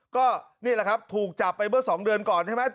ก็นี่แหละครับถูกจับไปเมื่อ๒เดือนก่อนใช่ไหม